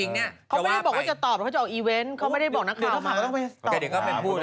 เห็นไปหล่าบ้าง